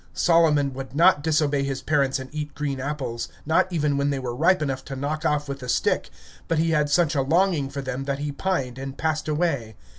Solomon would not disobey his parents and eat green apples, not even when they were ripe enough to knock off with a stick, but he had such a longing for them, that he pined, and passed away.